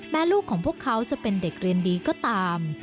ลูกของพวกเขาจะเป็นเด็กเรียนดีก็ตาม